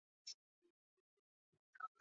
池袋站东口的巴士站请参照东池袋。